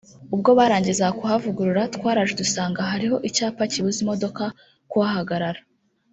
ubwo barangizaga kuhavugurura twaraje dusanga hariho icyapa kibuza imodoka kuhahagarara